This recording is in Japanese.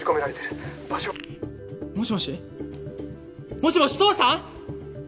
もしもし父さん？